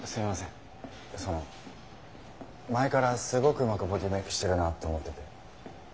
その前からすごくうまくボディーメークしてるなと思ってて。